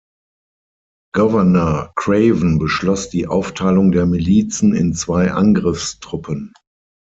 Governor Craven beschloss die Aufteilung der Milizen in zwei Angriffstruppen.